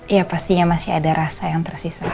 iya pastinya masih ada rasa yang tersisa